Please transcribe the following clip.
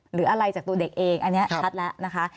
หรืออะไรจากตัวเด็กเองอันนี้ชัดแล้วนะคะ